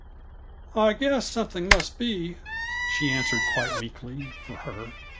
"I guess something must be," she answered quite meekly, for her.